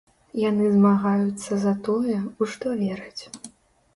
Яны змагаюцца за тое, у што вераць.